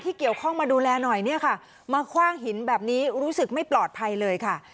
เกี่ยวข้องมาดูแลหน่อยเนี่ยค่ะมาคว่างหินแบบนี้รู้สึกไม่ปลอดภัยเลยค่ะ